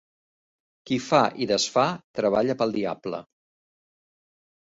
Qui fa i desfà treballa pel diable.